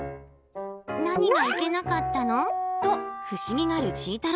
何がいけなかったの？と不思議がるちぃ